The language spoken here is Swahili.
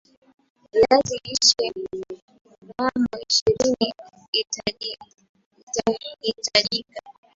viazi lishe gram ishiriniitahitajika